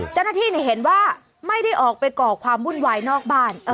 เจ้าหน้าที่เห็นว่าไม่ได้ออกไปก่อความวุ่นวายนอกบ้าน